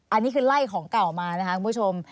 อันนี้คือไล่ของเก่ามานะคะคุณผู้ชม